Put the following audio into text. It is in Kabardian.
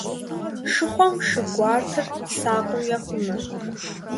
Шыхъуэм шы гуартэр сакъыу ехъумэ.